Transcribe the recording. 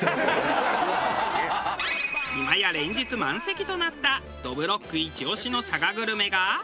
今や連日満席となったどぶろっくイチ推しの佐賀グルメが。